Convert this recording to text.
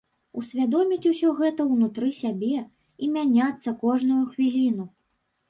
Усвядоміць усё гэта унутры сябе і мяняцца кожную хвіліну.